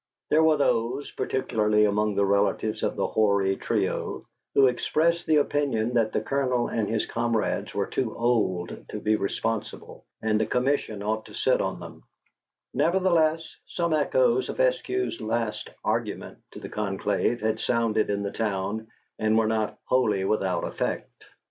There were those (particularly among the relatives of the hoary trio) who expressed the opinion that the Colonel and his comrades were too old to be responsible and a commission ought to sit on them; nevertheless, some echoes of Eskew's last "argument" to the conclave had sounded in the town and were not wholly without effect.